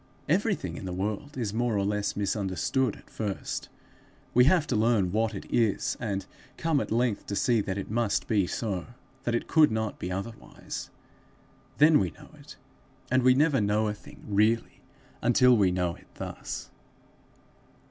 Everything in the world is more or less misunderstood at first: we have to learn what it is, and come at length to see that it must be so, that it could not be otherwise. Then we know it; and we never know a thing really until we know it thus.